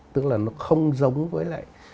tức là nó không giống với lại